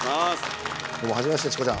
はじめましてチコちゃん。